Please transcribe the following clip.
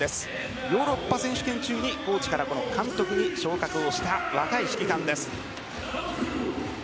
ヨーロッパ選手権中にコーチから監督に昇進した若い指揮官です。